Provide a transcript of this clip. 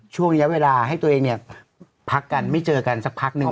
ช่วงระยะเวลาให้ตัวเองเนี่ยพักกันไม่เจอกันสักพักหนึ่ง